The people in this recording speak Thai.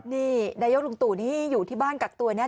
นี่นายกลุงตู่นี่อยู่ที่บ้านกักตัวนะ